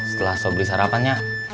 setelah sobeli sarapannya